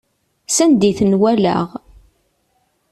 S anda i ten-walaɣ.